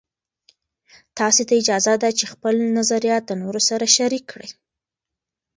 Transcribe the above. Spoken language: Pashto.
تاسې ته اجازه ده چې خپل نظریات د نورو سره شریک کړئ.